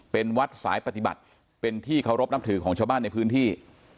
เป็นวัดสายปฏิบัติเป็นที่เคารพนับถือของชาวบ้านในพื้นที่